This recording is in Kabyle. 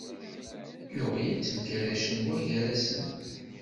Iɣyal temkerracen buygarasen.